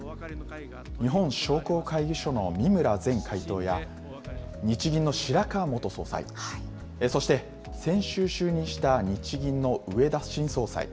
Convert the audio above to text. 日本商工会議所の三村前会頭や、日銀の白川元総裁、そして、先週就任した日銀の植田新総裁。